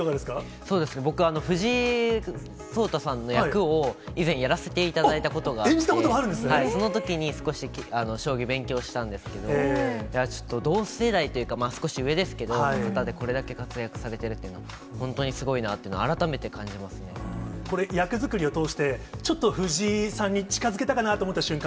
そうですね、僕は藤井聡太さんの役を、以前やらせていただいたことがあって。演じたことがあるんですね。そのときに、少し将棋勉強したんですけど、ちょっと同世代というか、少し上ですけど、これだけ活躍されているというのは、本当にすごいなっていうのをこれ、役作りを通して、ちょっと藤井さんに近づけたかなと思った瞬間